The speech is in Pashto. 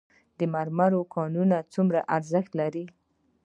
د مرمرو کانونه څومره ارزښت لري؟